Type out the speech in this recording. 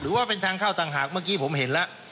ว่าเป็นทางเข้าต่างหากเมื่อกี้ผมเห็นแล้ว